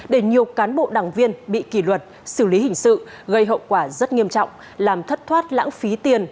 để nhiều cán bộ đảng viên bị kỷ luật xử lý hình sự gây hậu quả rất nghiêm trọng làm thất thoát lãng phí tiền